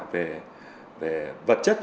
về vật chất